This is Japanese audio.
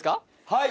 はい！